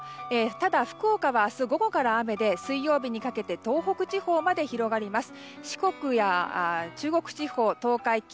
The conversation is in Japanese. ただ、福岡は明日午後から雨で水曜日にかけて東北地方まで広がります。